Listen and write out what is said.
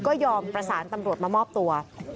ก็ยอมประสานตำรวจมามอบตัว